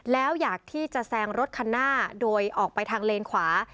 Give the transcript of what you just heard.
แล้วอยากที่จะแซงรถคันหน้าโดยออกไปทางเลนขวา